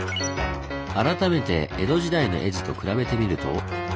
改めて江戸時代の絵図と比べてみると。